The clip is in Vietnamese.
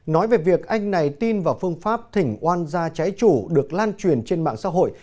nói về việc anh này tin vào phương pháp thỉnh oan gia trái chủ được lan truyền trên mạng xã hội